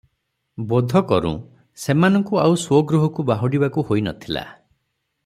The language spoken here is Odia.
ବୋଧ କରୁଁ, ସେମାନଙ୍କୁ ଆଉ ସ୍ୱଗୃହକୁ ବାହୁଡ଼ିବାକୁ ହୋଇ ନ ଥିଲା ।